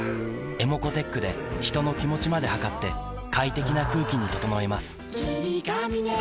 ｅｍｏｃｏーｔｅｃｈで人の気持ちまで測って快適な空気に整えます